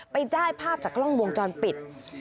ไปได้ภาพจากกล้องวงจรปิด